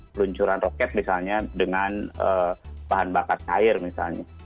peluncuran roket misalnya dengan bahan bakar cair misalnya